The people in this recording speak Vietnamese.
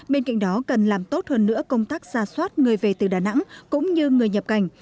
bên cạnh đó cần làm tốt hơn nữa công tác xa xoát người về từ đà nẵng cũng như người nhập cảnh